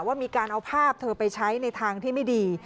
ว่ามีการเอาภาพเธอไปใช้ในทางที่ไม่ดี